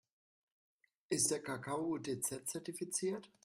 Ist der Kakao UTZ-zertifiziert?